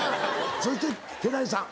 そして寺地さん。